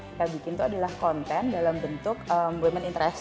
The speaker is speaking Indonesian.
kita bikin itu adalah konten dalam bentuk women interest